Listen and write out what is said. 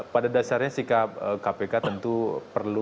pada dasarnya sikap kpk tentu perlu